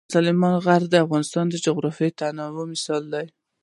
سلیمان غر د افغانستان د جغرافیوي تنوع مثال دی.